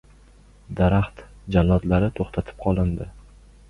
Daraxt "jallod"lari to‘xtatib qolindi